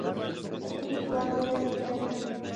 بىر كۈنى ئۇلار بىللە سەيلە قىلدى.